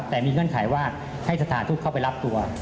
แต่มีเงื่อนไขว่าให้สถานทูตเข้าไปรับตัว